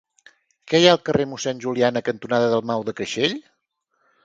Què hi ha al carrer Mossèn Juliana cantonada Dalmau de Creixell?